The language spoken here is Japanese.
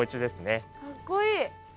かっこいい！